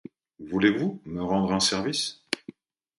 Voulez-vous me rendre un service ?